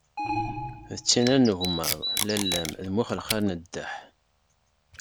A tinn-a n ugemmaḍ, lalla-m d mm uxelxal n ddeḥ.